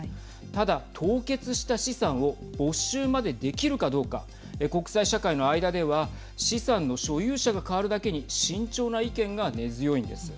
ただ、凍結した資産を没収までできるかどうか国際社会の間では資産の所有者が変わるだけに慎重な意見が根強いんです。